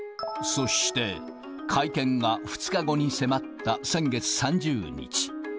そして、会見が２日後に迫った先月３０日。